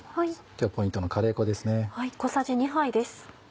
今日ポイントのカレー粉ですね。